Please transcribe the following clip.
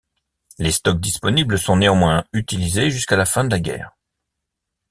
Les stocks disponibles sont néanmoins utilisés jusqu'à la fin de la guerre.